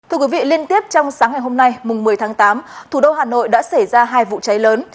thưa quý vị liên tiếp trong sáng ngày hôm nay mùng một mươi tháng tám thủ đô hà nội đã xảy ra hai vụ cháy lớn